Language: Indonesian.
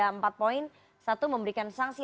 empat poin satu memberikan sanksi